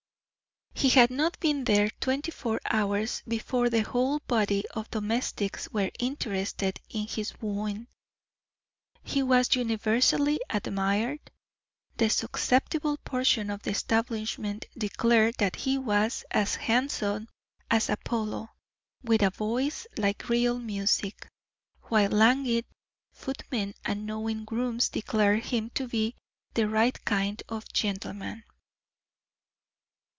He had not been there twenty four hours before the whole body of domestics were interested in his wooing. He was universally admired; the susceptible portion of the establishment declared that he was as handsome as Apollo, with a voice like real music, while languid footmen and knowing grooms declared him to be the "right kind of gentleman."